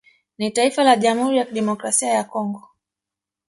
Ni taifa la Jamhuri ya Kidemokrasia ya Congo